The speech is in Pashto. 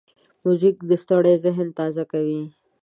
موزیک ستړی ذهن تازه کوي.